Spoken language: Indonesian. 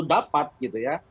dapat gitu ya